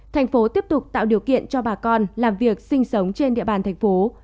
thành phố tiếp tục tạo điều kiện cho bà con làm việc sinh sống trên địa bàn thành phố